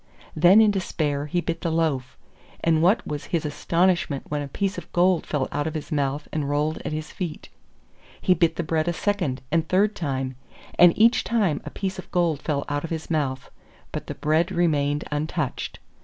Then in despair he bit the loaf, and what was his astonishment when a piece of gold fell out of his mouth and rolled at his feet. He bit the bread a second and third time, and each time a piece of gold fell out of his mouth; but the bread remained untouched.